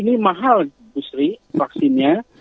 ini mahal gusri vaksinnya